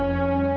aku mau jalan